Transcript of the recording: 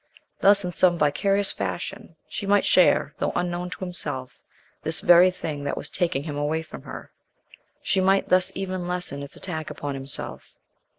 Thus, in some vicarious fashion, she might share, though unknown to himself, this very thing that was taking him away from her. She might thus even lessen its attack upon himself.